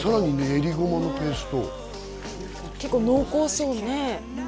練り胡麻のペースト結構濃厚そうなねえ